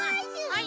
はい。